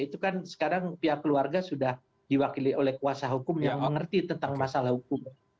itu kan sekarang pihak keluarga sudah diwakili oleh kuasa hukum yang mengerti tentang masalah hukum